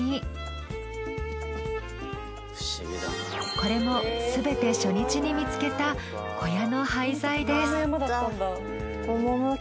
これも全て初日に見つけた小屋の廃材です。